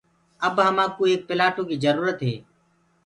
اَب همآنڪوٚ ايڪَ پِلآٽو ڪيٚ جروٚرت هي۔